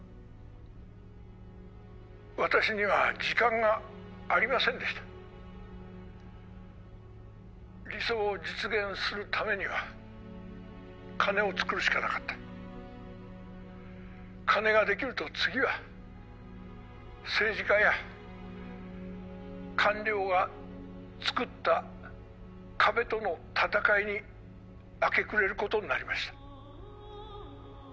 私には時間がありませんでした理想を実現するためには金をつくるしかなかった金ができると次は政治家や官僚がつくった壁との戦いに明け暮れることになりました